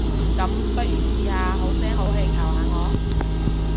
噉，不如試下好聲好氣求下我？